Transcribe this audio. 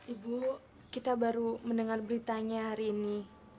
ibu kita baru mendengar beritanya hari ini